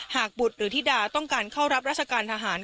บุตรหรือธิดาต้องการเข้ารับราชการทหาร